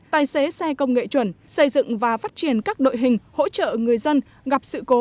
tài xế xe công nghệ chuẩn xây dựng và phát triển các đội hình hỗ trợ người dân gặp sự cố